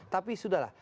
tapi sudah lah